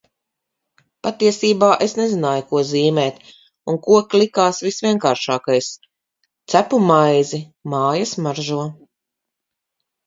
Patiesībā es nezināju, ko zīmēt un koki likās visvienkāršākais. Cepu maizi. Māja smaržo.